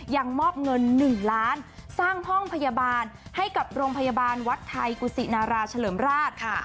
ยังมอบเงิน๑ล้านสร้างห้องพยาบาลให้กับโรงพยาบาลวัดไทยกุศินาราเฉลิมราชค่ะ